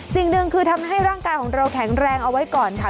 สิ่งหนึ่งคือทำให้ร่างกายของเราแข็งแรงเอาไว้ก่อนค่ะ